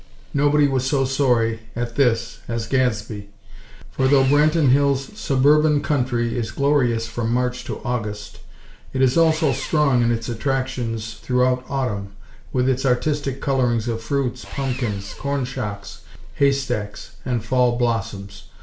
Nobody was so sorry at this as Gadsby, for though Branton Hills' suburban country is glorious from March to August, it is also strong in its attractions throughout Autumn, with its artistic colorings of fruits, pumpkins, corn shocks, hay stacks and Fall blossoms.